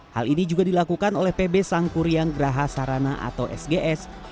hal ini juga dilakukan oleh pb sangkuriang geraha sarana atau sgs